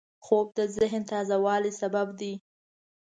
خوب د ذهن تازه والي سبب دی